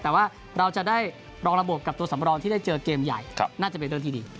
แต่ว่าเราจะได้รองระบบกับตัวสำรองที่ได้เจอเกมใหญ่น่าจะเป็นเรื่องที่ดี